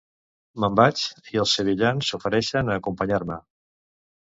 Me'n vaig i els sevillans s'ofereixen a acompanyar-me.